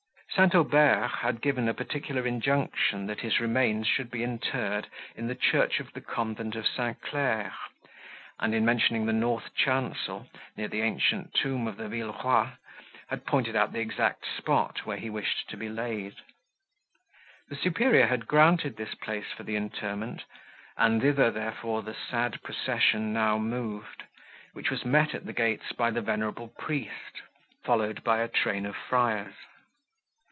St. Aubert had given a particular injunction, that his remains should be interred in the church of the convent of St. Clair, and, in mentioning the north chancel, near the ancient tomb of the Villerois, had pointed out the exact spot, where he wished to be laid. The superior had granted this place for the interment, and thither, therefore, the sad procession now moved, which was met, at the gates, by the venerable priest, followed by a train of friars.